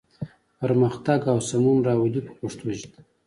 پرمختګ او سمون راولي په پښتو ژبه.